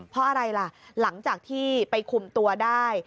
เพราะอะไรล่ะหลังจากที่ไปคุมตัวได้